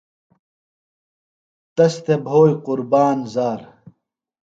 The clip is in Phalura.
تس تھۡے بھوئی قُربان زار